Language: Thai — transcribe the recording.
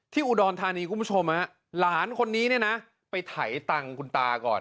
ที่อุดรธานีขุมผู้ชมเพื่อนลานคนนี้นะไปไถตั่งคุณตาก่อน